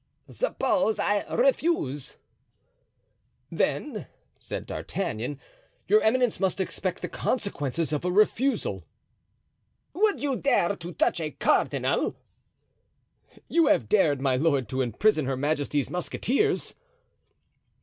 "Suppose I refuse?" "Then," said D'Artagnan, "your eminence must expect the consequences of a refusal." "Would you dare to touch a cardinal?" "You have dared, my lord, to imprison her majesty's musketeers."